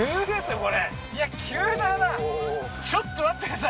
これいや急だなちょっと待ってください